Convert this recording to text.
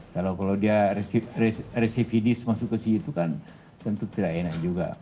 kalau dia resifidis masuk ke situ kan tentu tidak enak juga